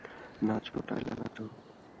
নাচো Tyler, নাচো!